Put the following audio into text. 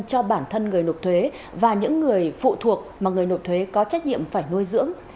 cho bản thân người nộp thuế và những người phụ thuộc mà người nộp thuế có trách nhiệm phải nuôi dưỡng